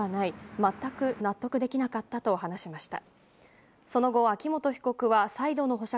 全く納得できなかったと話しました。